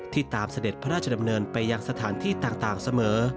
ตามเสด็จพระราชดำเนินไปยังสถานที่ต่างเสมอ